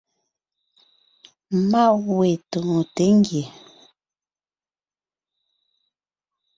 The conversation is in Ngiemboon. Má we tóonte ngie.